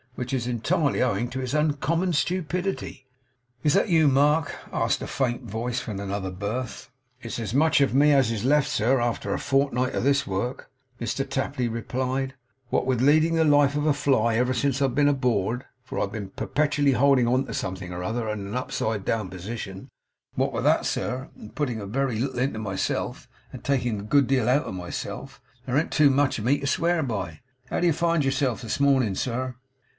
Which is entirely owing to its uncommon stupidity.' 'Is that you, Mark?' asked a faint voice from another berth. 'It's as much of me as is left, sir, after a fortnight of this work,' Mr Tapley replied, 'What with leading the life of a fly, ever since I've been aboard for I've been perpetually holding on to something or other in a upside down position what with that, sir, and putting a very little into myself, and taking a good deal out of myself, there an't too much of me to swear by. How do you find yourself this morning, sir?